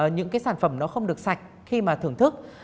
những cái sản phẩm nó không được sạch khi mà thưởng thức